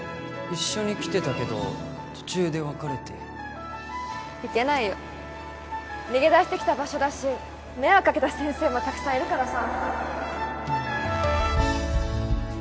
一緒に来てたけど途中で別れて行けないよ逃げ出してきた場所だし迷惑かけた先生もたくさんいるからさ